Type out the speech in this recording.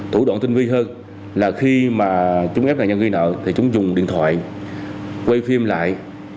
thủ đoạn tinh vi hơn là khi mà chúng ép nạn nhân gây nợ thì chúng dùng điện thoại quay phim lại